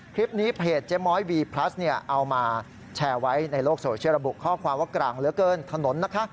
คลิปนี้เพจเจ๊ม้อยวีพลัสเอามาแชร์ไว้ในโลกโสเชียร์ระบุข้อความว่ากล่างเหลือเกินถนนนะฮะ